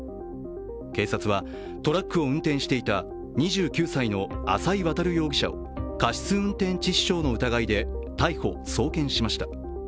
警察はトラックを運転していた２９歳の浅井渉容疑者を過失運転致死傷の疑いで逮捕・送検しました。